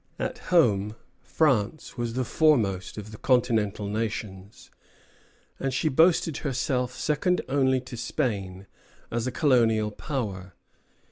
At home France was the foremost of the Continental nations; and she boasted herself second only to Spain as a colonial power.